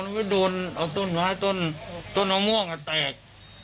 มันไปโดนเอาต้นมาต้นต้นเอาม่วงอะแตก